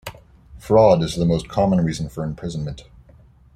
Fraud is the most common reason for imprisonment.